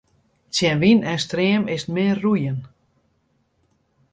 Tsjin wyn en stream is 't min roeien.